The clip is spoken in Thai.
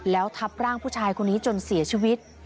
แล้วทับร่างผู้ชายคนนี้จนเสียชีวิต